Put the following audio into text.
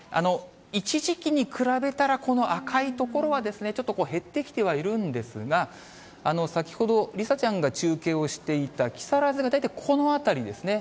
一時期に比べたら、この赤い所は、ちょっと減ってきてはいるんですが、先ほど梨紗ちゃんが中継をしていた木更津が大体、この辺りですね。